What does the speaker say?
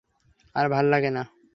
আর ভাল্লাগে না।